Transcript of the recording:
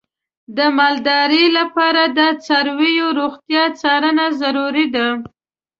د مالدارۍ لپاره د څارویو روغتیا څارنه ضروري ده.